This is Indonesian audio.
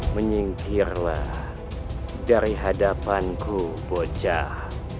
menyingkirlah dari hadapanku bocah